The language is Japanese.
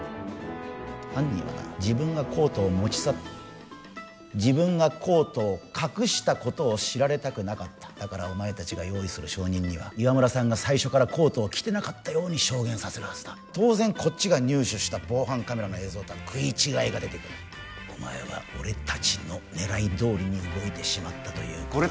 犯人はな自分がコートを持ち去った自分がコートを隠したことを知られたくなかっただからお前達が用意する証人には岩村さんが最初からコートを着てなかったように証言させるはずだ当然こっちが入手した防犯カメラの映像とは食い違いが出てくるお前は俺達の狙いどおりに動いてしまったということだ